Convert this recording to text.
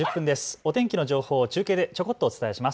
お天気の情報を中継でちょこっとお伝えします。